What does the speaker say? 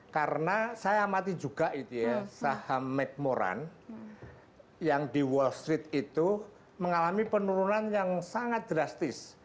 karena saya amati juga saham medmoran yang di wall street itu mengalami penurunan yang sangat drastis